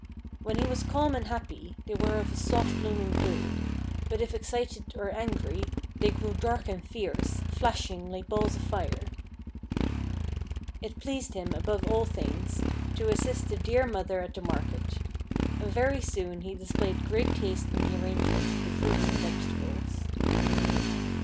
When he was calm and happy they were of a soft looming blue, but if excited or angry, they grew dark and fierce, flashing like balls of fire. It pleased him above all things, to assist the dear mother at the market, and very soon he displayed great taste in the arrangements of the fruits and vegetables.